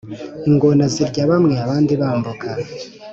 Ingona zirya bamwe abandi bambuka.